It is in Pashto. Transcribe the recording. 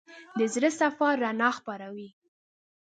د زړه صفا رڼا خپروي.